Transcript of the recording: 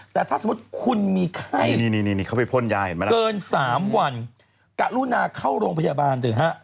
แต่ถ้าสมมติคุณมีค่าเกิน๓วันกะรุนาเข้าโรงพยาบาล